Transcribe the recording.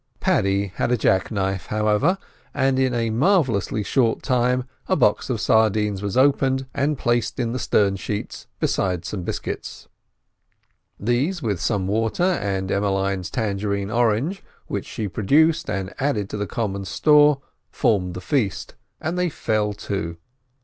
Paddy had a jack knife, however, and in a marvellously short time a box of sardines was opened, and placed on the stern sheets beside some biscuits. These, with some water and Emmeline's Tangerine orange, which she produced and added to the common store, formed the feast, and they fell to.